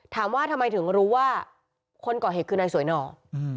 ถามว่าทำไมถึงรู้ว่าคนก่อเหตุคือนายสวยหน่อ